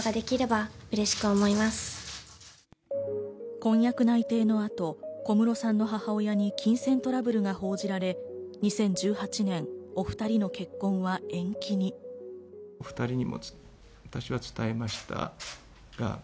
婚約内定の後、小室さんの母親に金銭トラブルが報じられ、２０１８年、お２人の結婚は延期に。